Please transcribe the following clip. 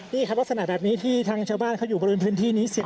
นี่ครับลักษณะแบบนี้ที่ทางชาวบ้านเขาอยู่บริเวณพื้นที่นี้